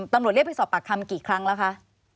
ตำรวจเรียกไปสอบปากคำกี่ครั้งแล้วคะ